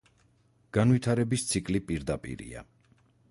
განვითარების ციკლი პირდაპირია.